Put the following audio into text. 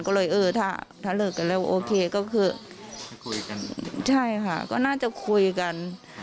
ก็เลยเออถ้าถ้าเลิกกันแล้วโอเคก็คือคุยกันใช่ค่ะก็น่าจะคุยกัน